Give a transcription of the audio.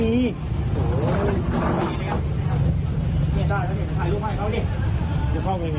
เฮ้ยสวัสดีครับ